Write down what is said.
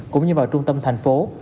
cũng như vào trung tâm thành phố